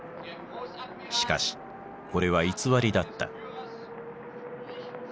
しかしこれは偽りだった。